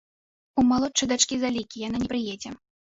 У малодшай дачкі залікі, яна не прыедзе.